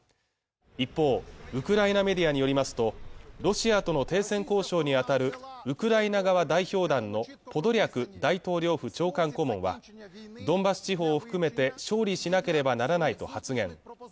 一方ウクライナメディアによりますとロシアとの停戦交渉に当たるウクライナ側代表団のポドリャク大統領府長官顧問はドンバス地方を含めて勝利しなければならないと発言